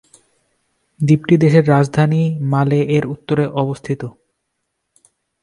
দ্বীপটি দেশের রাজধানী, মালে এর উত্তরে অবস্থিত।